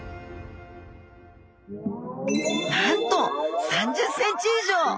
なんと３０ｃｍ以上！